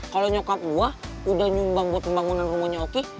kalau nyokap gue udah nyumbang buat pembangunan rumahnya oki